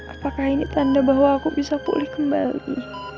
apakah ini tanda bahwa aku bisa pulih kembali